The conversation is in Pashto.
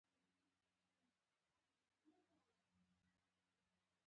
کمپیوټر مې اوس چټک کار کوي.